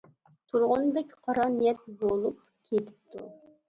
تۇرغۇن بەك قارا نىيەت بولۇپ كېتىپتۇ.